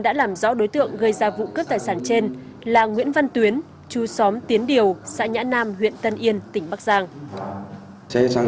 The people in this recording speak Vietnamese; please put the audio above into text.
đã làm rõ đối tượng gây ra vụ cướp tài sản trên là nguyễn văn tuyến chú xóm tiến điều xã nhã nam huyện tân yên tỉnh bắc giang